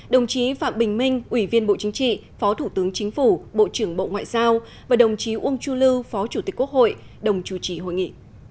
đồng chí phạm bình minh ủy viên bộ chính trị phó thủ tướng chính phủ bộ trưởng bộ ngoại giao và đồng chí uông chu lưu phó chủ tịch quốc hội đồng chủ trì hội nghị